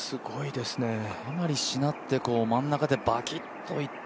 かなりしなって真ん中でバキッといって